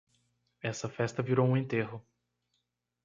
Essa festa virou um enterro